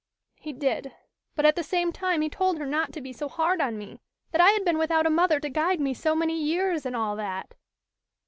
"He did, but at the same time he told her not to be so hard on me that I had been without a mother to guide me so many years, and all that."